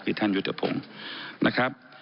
คือท่านยุทธพงศ์นะครับ